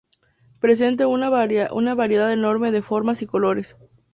Presenta una variedad enorme de formas y colores.